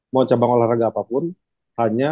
mau cabang olahraga apapun hanya